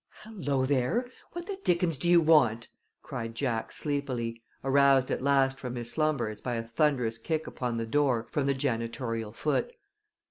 "Hello, there! What the dickens do you want?" cried Jack, sleepily, aroused at last from his slumbers by a thunderous kick upon the door from the janitorial foot.